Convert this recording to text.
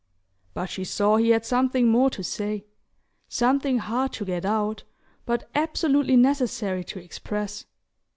But she saw he had something more to say; something hard to get out, but absolutely necessary to express.